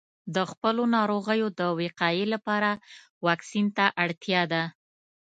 د خپلو ناروغیو د وقایې لپاره واکسین ته اړتیا ده.